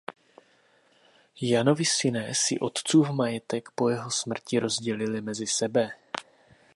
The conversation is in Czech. Janovi synové si otcův majetek po jeho smrti rozdělili mezi sebe.